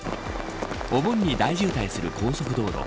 お盆に大渋滞する高速道路。